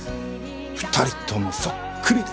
２人ともそっくりで。